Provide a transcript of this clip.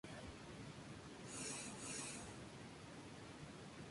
Finalmente legó este trabajo a su proveedor de componentes, Yamaha.